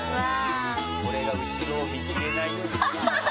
これが後ろを見切れないように。